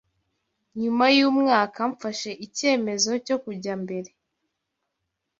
Nyuma y’Umwaka Mfashe Icyemezo cyo Kujya Mbere